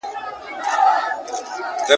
زمانې داسي مېړونه لږ لیدلي !.